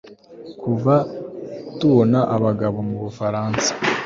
Kuva tubona abagabo mubufaransa